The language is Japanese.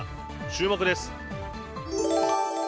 注目です。